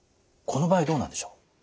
この場合どうなんでしょう？